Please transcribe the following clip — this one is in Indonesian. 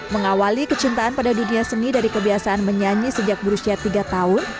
mengawali kecintaan pada dunia seni dari kebiasaan menyanyi sejak berusia tiga tahun